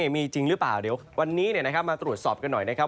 มีจริงหรือเปล่าเดี๋ยววันนี้มาตรวจสอบกันหน่อยนะครับ